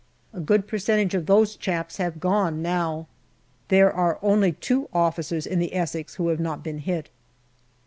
A good percentage of those chaps have gone now. There are only two officers in the Essex who have not been hit.